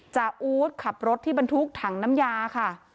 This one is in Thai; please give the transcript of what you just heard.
อู๊ดขับรถที่บรรทุกถังน้ำยาค่ะ